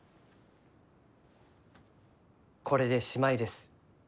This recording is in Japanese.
これでしまいです。